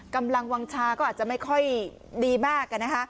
กำลังวางชาก็อาจจะไม่ค่อยดีมาก